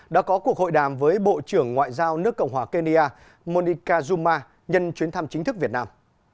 đã có cuộc hội đàm với bộ trưởng ngoại giao nước cộng hòa kenya monika zuma nhân chuyến thăm chính thức việt nam